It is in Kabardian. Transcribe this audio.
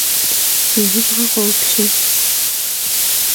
Jıbğe khopşe.